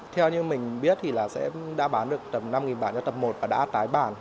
theo như mình biết thì là sẽ đã bán được tầm năm bản cho tầm một và đã tái bản